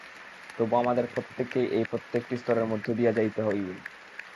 তবু আমাদের প্রত্যেককেই এই প্রত্যেকটি স্তরের মধ্য দিয়া যাইতে হইবে।